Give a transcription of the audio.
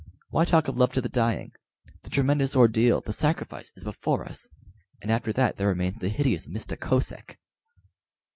Why talk of love to the dying? The tremendous ordeal, the sacrifice, is before us and after that there remains the hideous Mista Kosek!"